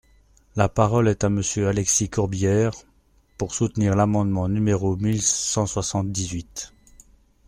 La parole est à Monsieur Alexis Corbière, pour soutenir l’amendement numéro mille cent soixante-dix-huit.